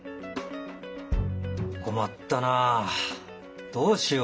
困ったなあどうしよう？